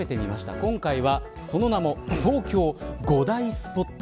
今回はその名も、東京５大スポット。